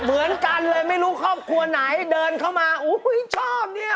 เหมือนกันเลยไม่รู้ครอบครัวไหนเดินเข้ามาอุ้ยชอบเนี่ย